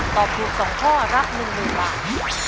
ตอบถูก๒ข้อรับ๑๐๐๐บาท